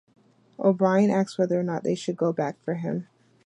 O'Brien asks whether or not they should go back for him.